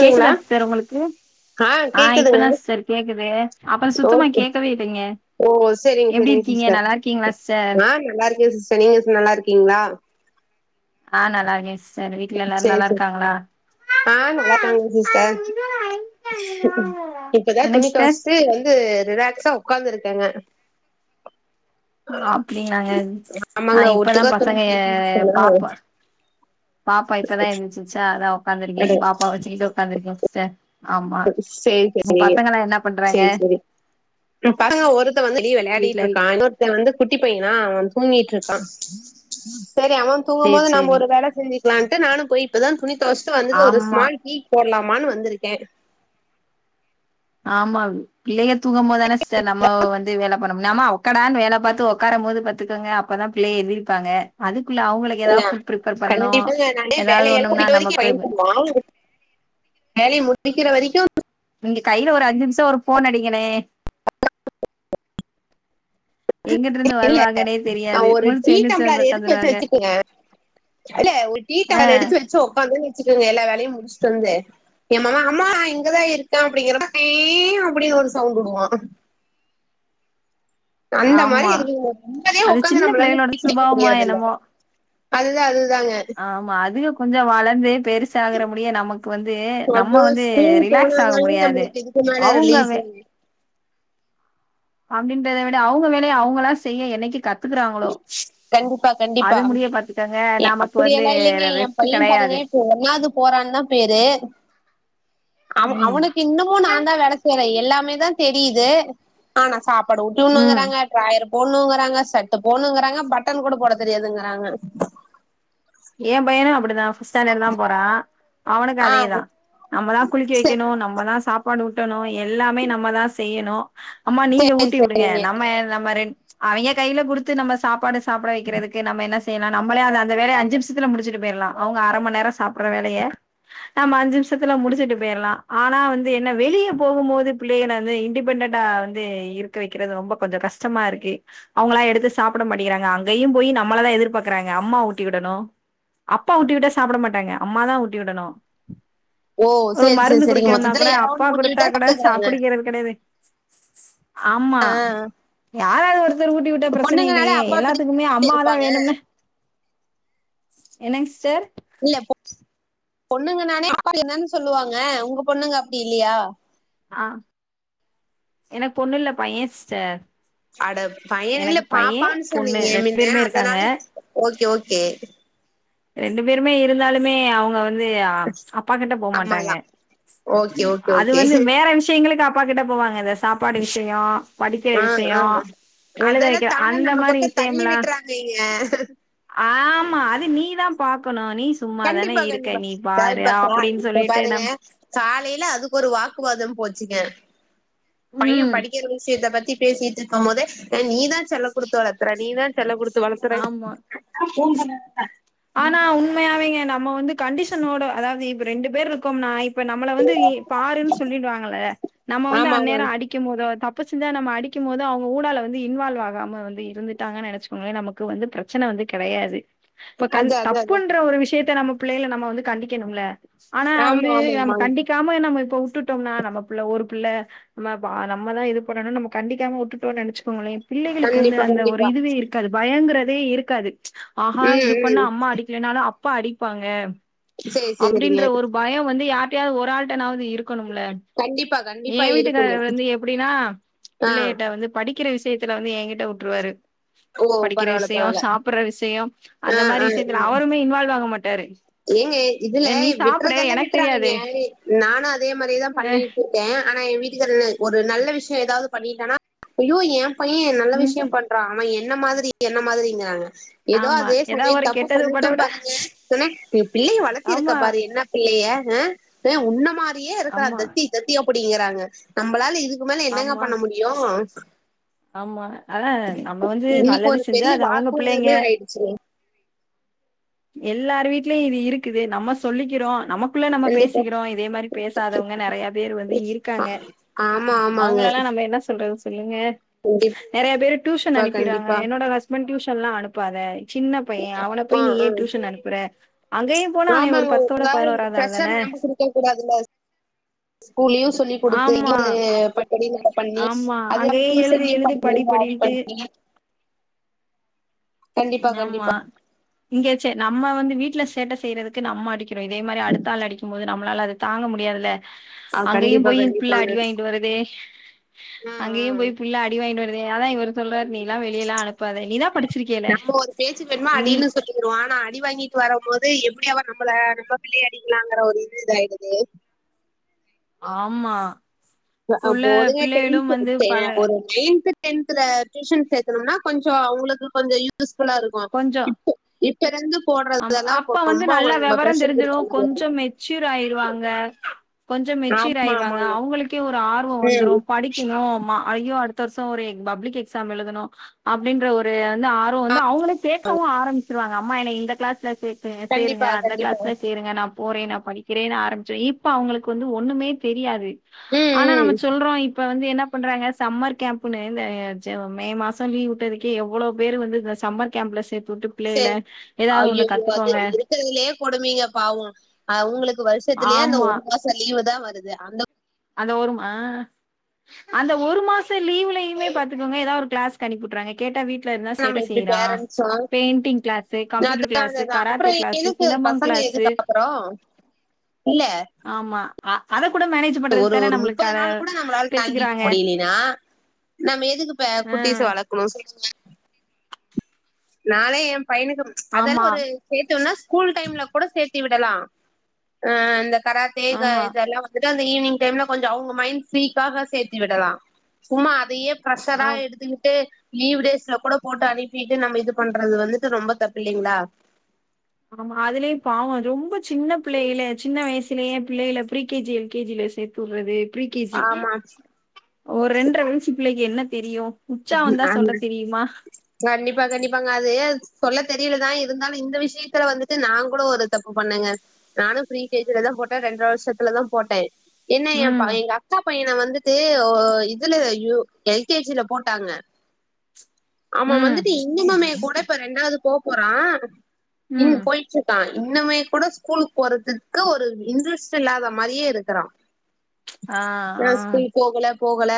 கேக்குதா சிஸ்டர் உங்களுக்கு ஆ இப்பதா சார் கேக்குது அப்ப சுத்தமா ஓகே கேக்கவே இல்லங்க ஓ செரிங்க செரிங்க சிஸ்டர் சிஸ்டர் ஆ நல்லா இருக்கேன் சிஸ் செரி ஆயிருச்சு நல்லா இருக்கீங்ளா ஆ நல்லா இருக்கேன் சிஸ்டர் வீட்ல எல்லாரு நல்லா செரி இருக்காங்ளா ஆ நல்லாக்காங்க சிஸ்டர் இப்பதா என்னங்க துணி சிஸ்டர் துவச்சுட்டு வந்து ரிலாக்ஸா உட்கார்ந்து இருக்கங்க ஆ அப்டிங்கங்களா நா ஆமாங்க இப்ப தா ஒட்டுக்கா துணி பசங்க சேத்தி வச்சேனா பாப்ப பாப்பா இப்பதா எந்திச்சிச்சா அதா உக்காந்துருக்கே அட பாப்பாவ வெச்சுகிட்டு உக்காந்துருக்கேன் சிஸ்டர் ஆமா சேரிக்கா உங்க சேரி பசங்கல்லா என்ன பண்றாங்க சேரி சேரி படங்க ஒருத்தன் வந்து வெளிய விளையாடிட்டு வீட்ல இருக்கான் இன்னொருத்தன் வந்து குட்டி பைய அவ தூங்கிட்டு இருக்கா சரி அவ சேரி தூங்கும்போது நாம சேரி ஒரு வேல செஞ்சு இருக்கலான்ட்டு நானு போயி இப்பதா துணி துவச்சிட்டு வந்துட்டு ஒரு ஆமா ஸ்மால் கீக் போடலாமான்னு வந்திருக்கே ஆமா பிள்ளைய தூங்கும் போதானே சார் நம்ம வந்து வேலை பண்ண முடியு ஆமா உக்கடான்னு வேலை பாத்து உக்கார போது பெத்துக்கங்க அப்பதா பிள்ளையை எந்திரிப்பாங்க அது [unintelligible] கண்டிப்பா நானே ஏதாவது வேலை ஏ ஒண்ணும்னா [unintelligible] நம்ம வரைக்கு பய போய் [unintelligible] வேலைய முடிக்கிற வரிக் நீங்க கையில ஒரு அஞ்சு நிமிச ஒரு போன் அடிங்கனே எங்கிட்டு இருந்து இல்ல வருவாங்கன்னே நா தெரியாது ஒரு முழிச்சு எந்திரிச்சு வந்து டீட்டம்ளர் எடுத்து வச்ச உக்காந்துருவாங்க வச்சுக்கங்க இல்ல ஒரு ஆ டீடால எடுத்து வச்சு உடக்காந்தே வச்சுக்கோங்க எல்லா வேலையு முடிச்சுட்டு வந்து எம்மவ அம்மா இங்கதா இருக்கே அப்டிங்கிறமா [unintelligible] அப்டின்னு ஒரு சவுண்ட்டு வுடுவா அந்த மாரி ஆமா [unintelligible] நிம்மதியா அது உக்காந்து சின்ன நம்மலால வந்து பிள்ளைகளோட டீ குடிக்க சுபாவமா முடியாதுல்ல என்னமோ அதுதான் அது ஆமா அதுக கொஞ்ச வளந்து பெருசாகற முடிய நமக்கு வந்து ஐயோ நம்ம வந்து ஸ்கூல் ரெண் ரிலாக்ஸ் ஆக போனாதாங்க முடியாது நம்மளுக்கு இதுக்கு மேல ரிலீஸ் அவுங்கவே அப்படின்றத விட அவங்க வேலைய அவங்களா செய்ய என்னைக்கு கத்துக்குறாங்களோ கண்டிப்பா கண்டிப்பா அது முடிய பாத்துக்கங்க நமக்கு அப்டி வந்து எல்லா இல்லிங்க எம் ரெஸ்ட் பைய பாருங்க கெடையாது இப்ப ஒன்னாது போறான் அண்ணாப் பேரே அவ ம் அவனுக்கு இன்னுமு நா தான் வேலை செய்றே எல்லாமே தா தெரியுது ஆனா சாப் ப்பாடு ம் ஊட்டினுங்கறாங்க டிராயர் போடணுங்கறாங்க ச த்த போணுங்கிறாங்க பட்டன் கூட போட தெரியாதுங்கறாங்க ஏம் பையனு அப்டிதா ஃபிஸ் ஸ்டேண்டடுதா போறா அவனுக்கு ஆ அதேதா நம்மதா குளிக்க வைக்கணு செரி நம்மதா சாப்பாடு ஊட் ட்டணு எல்லாமே நம்மதா செய்யணு அம்மா நீங்க செரி ஊட்டி வுடுங்க செரிங்க நம்ம அ நம்ம ரெண் அவிங்கத் கையில கொடுத்து நம்ம சாப்பாடு சாப்ட வைக்கிறதுக்கு நம்ம என்ன செய்லா நம்மலே அந்த வேலைய அஞ்சு நிமிச ம்சித்துல முடிச்சுட்டு போயர்லா அவுங்க அர மண் நேரம் சாப்பிற வேலைய நம்ம அஞ்சு இம்ஷத்துல முடிச்சுட்டு போயர்லா ஆ ஆனா வந்து என்ன வெளிய போகும்போது பிள்ளைகனந்து இண்டிபெண்டண்டா வந்து இருக்க வக்கிறது ரொம்ப கொஞ்ச கஷ்டம் மாருக்கு அவுங்களா எடுத்து சாப்பிட மாட்டிகிறாங்க அங்கியும் போயி நம்மளதா எதிர்பாக்கறாங்க அம்மா ஊட்டி விடணு அப்பா ஊட்டி விட்டா சாப்ட மாட்டாங்க அம்மாதா ஊட்டி உடணு ஓ ஒரு செரி செரி மருந்து செரிங்க குடிக்கணும்னா மொத்தத்துல கூட யாரோ அப்பா ஒன்னு ஊட்டி குடுத்தா விட்டா கூட சா சாப்ட்டுக்குறாங்க குடிக்கிறது கடையாது ஆம்மா ஆ யாராது ஒருத்தர் ஊட்டி விட்டா பிரச்சன பொண்ணுங்கனாலே இல்லையே அப்பா எல்லாத்துக்குமே பிரிக்கிறதானே அம்மாதா இருப்பாங்க வேணும்னா என்னங் சிஸ்டர் இல்ல பொண்ணுங்கனாளே அப்பா வேனுன்னு சொல்லுவாங்க உங்க பொண்ணுங்க அப்டி இல்லியா ஆ எனக் பொண்ணு இல்ல பைய சிஸ்டர் அட பைய இல்ல எனக்கு பைய பாப்பான் பொண்ணு சொன்னிங்க ரெண்டு மின்ன பேருமே இருக்காங்க அதனால ஓகே ஓ கே ரெண்டு பேருமே இருந்தாலுமே அவுங்க வந் து அப்பா கிட்ட போவ மாட்டாங்க அம்மாதா ஓகே ஓகே அது ஓகே வந்து வேற விஷயங்களுக்கு அப்பா கிட்ட போவாங்க இந்த சாப்பாடு விஷய படிக்கிற ஆ விஷய ஆ எழுத அதெல்லாம் வெக்க தானா அந்த நம்ம மாரி பக்கம் தள்ளி விசயம்லா விட்டுறாங்கங்க ஆமா அது நீ தா பாக்கணு சும்மாதான கண்டிப்பா இருக்க கண்டிப்பா நீ த பாரு இப்ப கால் அப்டின்னு இப்ப சொல்லிட்டு பாருங்க நம் காலயில அதுக்கு ஒரு வாக்குவாதம் போச் சிங்க பைய ம் படிக்கிற விஷயத்த பத்தி பேசிட் ருக்கும்போதே நீ தா செல்ல குடுத்து வளத்தற நீ தா செல்ல குடுத்து வளத்தற ஆமா ஃபோன் பண்ணாதானா ஆனா உண்மையாவேங்க நம்ம வந்து கண்டிஷனோட அதாவது இப்ப ரெண்டு பேர் இருக்கோம்னா இப்ப நம்மள வந்து நீ பாருனு சொல்லிடுவாங்கள நம்ம வந்து ஆமா அந்நேர ஆமாங்க அடிக்கும் போதோ தப் பு செஞ்சா நம்ம அடிக்கும் போது அவுங்க ஊடால வந்து இன்வால்வ் ஆகாம வந்து இருந்துட்டாங்கன நெனைச்சுக்கோங்களே நமக்கு வந்து பிரச்சன வந் து கெடையாது இப்ப கண் அது அது அது தப்புன்ற ஒரு விஷயத்த நம்ம புள்ளைகள நம்ம வந்து கண்டிக்கனும்ல ஆனா ஆமா வந்து ஆமா நம்ம ஆமாங்க கண்டிக்காம நாம இப்ப உட் விட்டுட்டோம்னா நம்ம புள்ள ஒரு புள்ள நம்ம நம்மதா இது பண்னுனு நம்ம கண்டிக்காம விட்டுட்டோ நெனச்சுக்கோங்களே பிள்ளைகளுக்கு வந்து கண்டிப்பா அந்த ஒரு கண்டிப்பா இதுவே இருக்காது பயங்றதே இருக்காது ஆஹா ம் இது தப்பு பண்ணா ம். அம்மா அடிக்கலனாலு அப்பா அடிப்பாங்க சரி சரிங்க அப்டின்ற ஒரு பயோ வந்து யார் டயாவது ஒரு ஆள்ட்டனாவது இருக் கணும்ல கண்டிப்பா ஏ கண்டிப்பா இருக்கணும் வீட்டுக்காரர் வந்து எப்டினா ஆ பிள்ளைட்ட வந்து படிக்கிற விஷயத் த்துல வந்து ஏங்கிட்ட விட்ருவாரு ஓ படிக்கிற பரவாயில்ல விஷயோ பரவாயில்ல சாப்புற விஷயம் அந்த ஆ ஆ மாரி விஷயத்துல அவருமே இன்வால்வ் ஆக மாட்டாரு ஏங்க இதுல "நீ சாப்புடு விட்றதெல்லா எனக்கு விட்டுறானுங்க தெரியாது." நானு அதே மாரிதா அ பண்ணிட்டு இருக்கே ஆனா என் வீட்டுக்கார ஒரு நல்ல விஷயோ ஏதாவது பண்ணிட்டனா ஐயோ ஏ பையே நல்ல ம் விஷயோ பண்றா அவே என்ன மாதிரி என்ன மாதிரிங்றாங்க ஏதோ ஆமா அதே எதா சமயோ ஒரு தப்பு கெட்டது பண்ணட்டு படவிட பாருங்க சொன்ன பிள்ளைய வளத்திருக்க ஆமா பாரு என்னா பிள்ளைய அ உன்ன மாரியே இருக்கா ஆமா தத்தி தத்தி அப் அப்படிங்றாங்க நம்பளால இதுக்கு மேல என்னங்க ஆமா பண்ண முடியு ஆமா அதா நம்ம வந்து இன்னைக்கு நல்லது ஒரு செஞ்சா பெரிய அது அவுங்க வாக்குவாதமே பிள்ளங்க ஆயிடுச்சுங்க. எல்லார் வீட்லயு இது இருக்குது நம்ம சொல்லிக்கிறோ நம்ம குள்ள நம்ம கண்டிப்பா. பேசிக்கிறோ இதே மாரி பேசாதவங்க நெறய பேரு வந்து ஆ இருக்காங்க ஆமா, ஆமாங்க. அவங்களல்லா நம் என்ன சொல்றது சொல்லுங்க கண்டிப்பா, நெறய பேரு டியூஷன் அனுப்பிறாங்க கண்டிப்பா. என்னோட ஹஸ்பண்ட் டியூஷ் ல்லா அனுப்பாத சின்ன பையே அவன போய் ஆ, நீ ஏ ஆ. டியூஷன் அனுப்புற அங்கயு போனா அவே ஒரு ஆமாங்க. பத்தோட கால் பதினோராவது ஆளு ப்ரெஷர் தானே நம்ம குடுக்க கூடாதுல்ல. ஸ்கூல்லயும் சொல்லிக் குடுத்து ஆமா இது படி நம்ம பண்ணி ஆமா அது நம்ம அங்கயே எழுது டியூசன்லயும் எழுது படி படிக்கிறது அது படின்ட்டு பண்ணி கண்டிப்பா, ஆமா கண்டிப்பா. இங்க சே நம்ம வந்து வீட்ல சேட்ட செய்றதுக்கு நம்ம அடிக்கிறோ இதே மாரி அடுத்த ஆள் அடிக்கும் போது நம்ளால அது தாங்க முடியாதுல ஆ அங்கேயு கண்டிப்பா, போய் புள்ள கண்டிப்பாங்க. அடி வாயிண்ட்டு வரது ஆ, ஆ. அங்கேயு போய் புள்ள அடி வாயிண்ட்டு வர தே அதா இவரு சொல்றாரு நீலா வெளியலா அனுப்புதா நீதா படிச்சிர்க்கேல நம்ம ஒரு பேச்சுக்கு வேனுமா அடினு சொல்லிருவோ ஆனா அடி வாங்கிட்டு வரும் போது எப்படி அவ நம்ள நம்ம பிள்ளைய அடிக்கலாங்கிற ஒரு இது இதாயிடுது ஆமா இப்ப உள்ள போதுங்க பிள்ளைகளும் டென்த் வந்து டெ பல ஒரு நைன்த் டென்த்ல டியூஷன் சேத்தனும்னா கொஞ்சோ அவங்களுக்கு கொஞ்சோ யூஸ்ஃபுல்லா இருக்கும் கொஞ்சம் இப்போ இப்ப இருந்து ஆமா போடுறதெல்லாம் அப்பா வந்து ரொம்ப நல்லா அவங்களுக்கு நம்ம விவரம் ப்ரெஷர் குடுக்குற தெரிஞ்சிரும் மாரி இருக்கும். கொஞ்சம் மெச்சூர் ஆயிருவாங்க கொஞ்சம் மெச்சீர் ஆமா, ஆமாங்க. ஆயிருவாங்க அவங்களுக்கே ஒரு ஆர்வம் ம் வந்துரும் படிக்கணும் ம்மா ஐயோ அடுத்த வருஷம் ஒரு எ பப்ளிக் எக்ஸாம் எழுதணு அப்படின்ற ஒரு வந்து ஆர்வம் வந்து அவங்களு கேக்கவு ஆரம்பிச்சிருவாங்க அம்மா என்ன இந்த கிளாஸ்ல சேத்துங்க சேருங்க கண்டிப்பா அந்த கண்டிப்பா கிளாஸ்ல சேருங்க நா போறே நா படிக் க்கிறேன் ஆரம்பிச்சு இப்ப அவங்களுக்கு வந்து ஒண்ணுமே தெரியாது ம் ஆனா நம்ம ம் சொல்றோ இப்ப வந்து என்ன பண்றாங்க சம்மர் கேம்ப்னு இந்த ச மே மாசம் லீவ் விட்டதுக்கே எவ்வளவு பேர் வந்து இந்த சம்மர் கேம்ப்ல சேத் கூப்ட்டு பிள்ளைகல சரி ஐயையோ அது இருக்கறதுலயே கொடுமைங்க பாவம் அவங்களுக் வருஷத்துலயே அந்த ஆமா. ஒரு மாசம் லீவு தா வருது அந்த அந்த ஒரும் ஆ அந்த ஒரு மாசம் லீவ்லயுமே பாத்துக்கோங்க ஏதாவது ஒரு க்ளாஸ்க்கு அனுப்பி விட்றாங்க கேட்டா வீட் ல இருந்தா நம்ம சேட்ட எப்டி செய்றா பேரண்ட்ஸு பெயிண்டிங் க்ளாஸ் கம்ப்யூட்டர் அதா க்ளாஸ் அததா அப்புறோ கராத்தே க்ளாஸ் எதுக்கு சிலம்பம் க்ளா [inaudible] ஆமா அத கூட மேனேஜ் பண்றது ஒரு ஒரு முப்பது நாள் கூட நம்மளால தாங்கி முடியலன்னா நம்ம எதுக்கு இப்ப ஆ குட்டிச வளக்கணு சொல்லுங்க நானே என் பையனுக்கு அதெல்லா ஆமா ஒரு சேத்தம்னா ஸ்கூல் டைம்ல கூட சேத்தி விடலா அ அந்த கராத்தே இது ஆமா இதல்லா வந்துட் டு அந்த ஈவினிங் டைம்ல கொஞ்சம் அவங்க மைண்ட் ஃப்ரீக்காக சேத்து விடலா சும்மா அதயே ஆ பிரசரா எடுத்துக்கிட்டு லீவ் டேஸ்ல கூட போட்டு அனுப்பிட்டு நம்ம இது பண்றது வந்துட்டு ரொம்ப தப்ப இல்லைங்களா ஆமா அதுலயும் பாவம் ரொம்ப சின்ன பிள்ளைகல சின்ன வயசுலயே பிள்ளைகல pre K G L K ஜில சேத்து உட் து ஃப்ரீ கே ஜி ஆமா ஒரு ரெண்டரை வயசு பிள்ளைக்கு என்ன தெரியு உச்சாவந்தா ஆமா சொல்ல தெரியுமா கண்டிப்பா கண்டிப்பாங்க அது சொல்ல தெரியலதா இருந்தாலும் இந்த விஷயத்தல வந்துட்டு நா கூட ஒரு தப்பு பண்ணேங்க நானும் ஃப்ரீ கே ஜில தான் போட்டேன் ரெண்ட்ர வருஷத்தல தான் போட்டே என்ன என் ம் எங்க அக்கா பையனை வந்துட்டு இதுல அய்யோ எல் கே ஜி ல போட் டாங்க அவன் ம் வந்துட்டு இன்னமமே கூட இப்ப ரெண்டாவது போ போறா இனி ம் போயிட்டுருக்கா இன்னுமே கூட ஸ்கூலுக்கு போறதுக்கு ஒரு இன்ட்ரெஸ்ட் இல்லாத மாரியே இருக்குறா ஆ ஆ போகல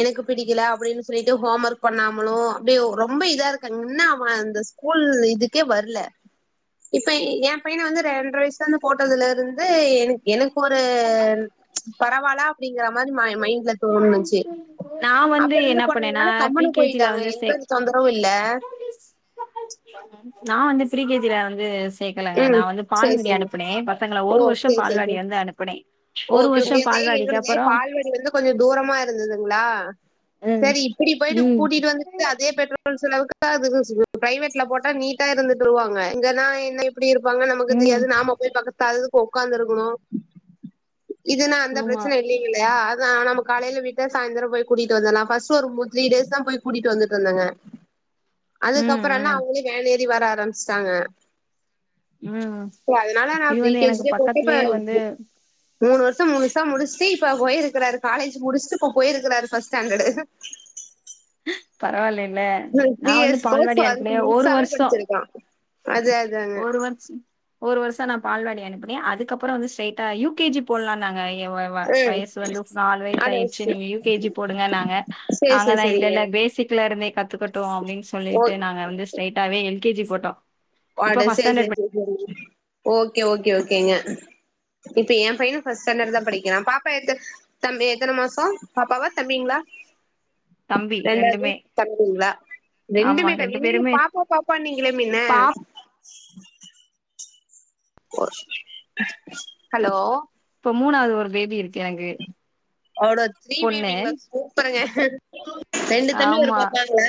எனக்கு பிடிக்கல அப்படின்னு சொ ல்லிட்டு ஹோம் ஒர்க் பண்ணாமலு அப்படி ரொம்ப இதா இருக்காங்கன்ன அவன் அந்த ஸ்கூல் இதுக்கே வரல இப்ப என் பயன வந்து ரெண்டரை வயசுல இருந்து போட்டதுல இருந்து எனக்கு எனக்கு ஒரு பரவால்ல அப்படிங்கற மாதிரி மைண்ட்ல தோணுச்சு நான் அப்ப வந்து இருந்து என்ன போனேன போனதுனால ப்ரி கம்முனு கே ஜில போயிட்டாங்க வந்து எந்த சேக் ஒரு தொந்தரவு இல்ல நான் வந்து ப்ரி கே ஜில வந்து சேர்க்கலங்க ம் நான் வந்து சேரி பால்வடி சேரி அனுப்புனே பசங்கள ஓ ஒரு வருஷம் சேரி சேரி பால்வடி சேரி வந்து அனுப்பனே ஓகே உங்களுக்கு எங்கலது பால்வடி வந்து கொஞ்சம் தூ ரமா இருந்ததுங்களா ம் சரி இப்படி போயிட்டு ம் கூட்டிட்டு வந்துட்டு அதே பெட்ரோல் செலவுக்கு பிரைவேட்ல போட்டா நீட்டா இருந்துட்டு வருவாங்க இங்கன்னா என்ன எப்படி இருப்பாங்க நமக்கு ம் தெரியாது நாம போய் பக்கத்து அதுக்கு உடக்காந்துருக்கணு இதுன்னா அந்த ஆமா பிரச்சனை இல்லைங்களையா ஆ நாம காலையில விட்ட சாயந்தரம் போய் கூட்டிட்டு வந்துடலாம் ஃபர்ஸ்ட் ஒரு மூ த்ரீ டேஸ் தான் போய் கூட்டிட்டு வந்துட்டு இருந்தங்க ம் அதுக்கப்புற நா ம் அவுங்களே வேன் ஏறி வர ஆரம்பிச்சிட்டாங்க ம் சோ அதுனால நா இது பரீ வந்து எனக்கு கேஜிலே போட்டே பக்கத்துலயே வந்து இப்ப மூணு வருஷு முழுசா முடிச்சிட்டு இப்ப போயிருக்கிறாரு காலேஜ் முடிச்சிட்டு இப்ப போயிருக்காரு ஃபர்ஸ்ட் ஸ்டாண்டர்டு ப ந த்ரீ இயர்ஸ் கோர்ஸ் வந்து அனுப்புனே ஒரு முழுசாவே வருஷோ படிச்சிருக்கா ஒரு வருஷம் ஒரு வருஷனம் பால்வாடி அனுப்பின அதுக்கப்புரோ வந்து ஸ்ட்ரைட்டா யுகேஜி போட்லான்னாங்க ம் வயசு வந்து நாலு வயசு அட அயிச்சி சே நீங்க யூ கேஜி போடுங்க நாங்க சேரி சேரி நாங்கதா சேரிங்க இல்லல்ல பேசிக்ல இருந்தே கத்துக்கட்டோ அப்டின்னு ஓ சொல்லிட்டு நாங்க வந்து ஸ்ட்ரெய்ட்டாவே எல்கேஜி போட்டோ ஆட இப்ப ஃபர்ஸ்ட் செரி ஸ்டாண்டர்ட் செரி படி செரி செரி ஓகே ஓகே ஓகேங்க இப்ப என் பையனு பஸ்ட் ஸ்டாண்டர்ட் தா படிக்கிறா பாப்பா எத்தன எத்தன மாசோ பாப்பா எத்தன மாசோ பாப்பாவ தம்பிங்கலா தம்பி ரெண்டாவது ரெண்டுமே தம்பிங்லா ஆமா ரெண்டுமே ரெண்டு தம்பி நீங்க பேருமே பாப்பா பாப்பா நீங்கள மின்ன பாப் [unintelligible] ஹலோ மூணாது ஒரு பேபி இருக் அவடோ த்ரீ பொண்ணு பேபிங்கலா சூப்பருங்க ரெண்டு தம்பி ஒரு ஆமா பாப்பாங்களா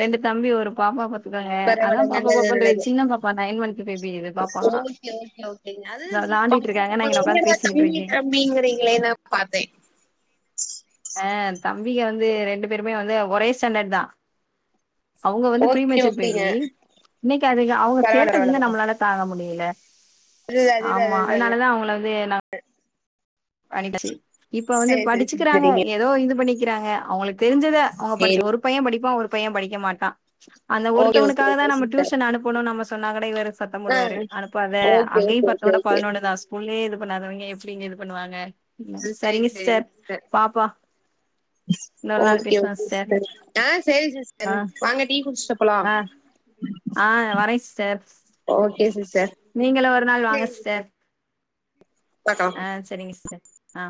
ரெண்டு தம்பி ஒரு பாப்பா பாத்துக்கோங்க அதா பரவல பாப்பா நல்லது பாப்பான்றே நல்லது சின்ன பாப்பா நைன் மந்த் பேபி இது பாப்பா ஓகே ஓகே ஓகேங்க அது இந்தா வெளாண்டிட்டு இருக்காங்க நா இங்கன உக்காந்து என்னடா பேசிக்கிட்டு தம்பி இருக்கே தம்பிறீங்களே நா பாத்தே [inaudible] ஆ தம்பிங்க வந்து ரெண்டு பேருமே வந்து ஒரே ஸ்டாண்டர்ட் தா அவுங்க வந்து ப்ரீ ஓகே மெசர் ஓகேங்க பேபி இன்னிக்கி அதுங்க அவுங்க சேட்ட பரவால்ல வந்து பரவால்ல நம்மளால தாங்க முடியல அதுதா அதுதா ஆமா அதுதாங்க அதனாலதா அவங்கள வந்து நா யிச்சு இப்ப வந்து சரி சரி சரி படிச்சிக்கிறாங்க சரிங்க ஏதோ இது பண்ணிக்கிறாங்க அவங்களுக்கு தெரிஞ்சத அவ்ங்க படிச்ச சரி ஒரு பைய படிப்பா ஒரு பைய படிக்க மாட்டா அந்த ஓகே ஓகே ஒருத்தவனுக்காக தா ஓகே நம்ம சிஸ்டர் டியூஷன் அனுப்பணு நம்ம சொன்னாக் கூட இவரு சத்தம் ஆ போடுவாரு அனுப்பாத ஓகே அங்கயு ஓகே ஓகே பத்தோட ஓகே பதினொன்னு தா ஸ்கூல்லயே இது பண்ணாதவைங்க எப்டி பண்ணுவாங்க சரிங்க சிஸ்டர் பாப்போ இன்னொரு நாள் ஓகே பேசுவோ ஓகே சிஸ்டர் ஆ சேரி சிஸ்டர் ஆ வாங்க டீ குடிச்சிட்டு போலா ஆ ஆ வரே சிஸ்டர் ஓகே சிஸ்டர் நீங்களு ஒரு நாள் வாங்க சிஸ்டர் பாக்கலாம் ஆ செரிங்க சிஸ்டர் ஆ